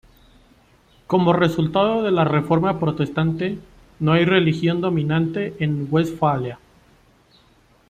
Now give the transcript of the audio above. Como resultado de la reforma protestante, no hay religión dominante en Westfalia.